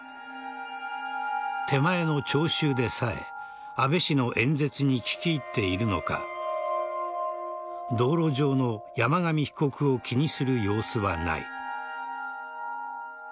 手前の聴衆でさえ安倍氏の演説に聞き入っているのか道路上の山上被告を気にする様子はない。